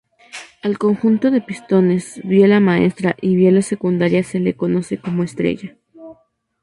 Al conjunto de pistones, biela maestra y bielas secundarias se le conoce como estrella.